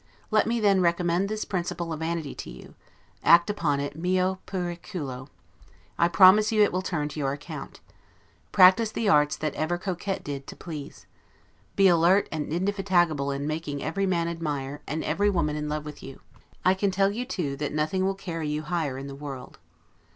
Let me then recommend this principle of vanity to you; act upon it 'meo periculo'; I promise you it will turn to your account. Practice all the arts that ever coquette did, to please. Be alert and indefatigable in making every man admire, and every woman in love with you. I can tell you too, that nothing will carry you higher in the world.